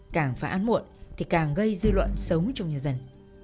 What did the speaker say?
càng phải ăn muộn thì càng gây dư luận sống trong nhà dân